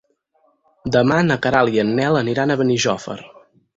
Demà na Queralt i en Nel aniran a Benijòfar.